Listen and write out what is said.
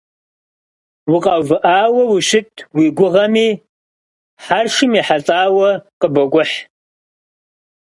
Укъэувыӏауэ ущыт уи гугъэми, хьэршым ехьэлӏауэ къыбокӏухь.